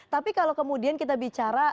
tapi kalau kemudian kita bicara